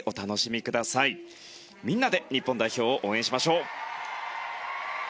みんなで日本代表を応援しましょう！